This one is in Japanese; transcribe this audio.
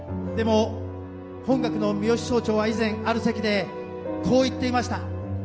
でも本学の三芳総長は以前ある席でこう言っていました。